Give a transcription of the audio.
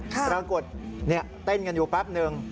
ปรากฏเต้นกันอยู่แป๊บนึง